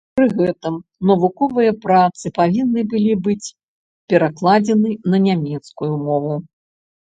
Пры гэтым навуковыя працы павінны былі быць перакладзены на нямецкую мову.